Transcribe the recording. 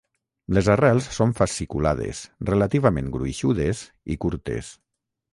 Les arrels són fasciculades, relativament gruixudes i curtes.